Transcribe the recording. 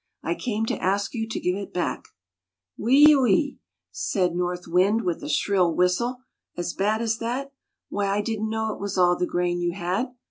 I came to ask you to give it back.'' " Whe ee eew !" said North Wind, with a shrill whistle. " As bad as that? Why, I didn't know it was all the grain you had.